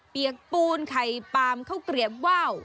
เปียกปูนไข่ปามข้าวเกลียบว่าว